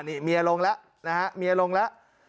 นี่เมียลงแล้ว